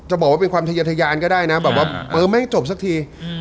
จะบอกว่าเป็นความทะเยทยานก็ได้นะแม่งจบซักที